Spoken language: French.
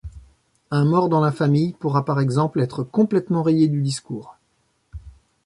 Un mort dans la famille pourra par exemple être complètement rayé du discours.